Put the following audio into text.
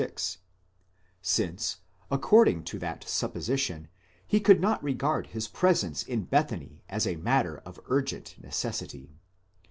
6); since, according to that supposition, he could not regard his presence in Bethany as a matter of urgent necessity.